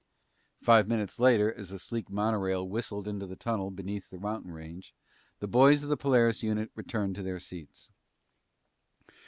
Five minutes later, as the sleek monorail whistled into the tunnel beneath the mountain range, the boys of the Polaris unit returned to their seats.